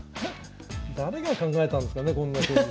誰が考えたんすかねこんな将棋。